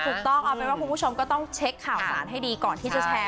ถูกต้องเอาเป็นว่าคุณผู้ชมก็ต้องเช็คข่าวสารให้ดีก่อนที่จะแชร์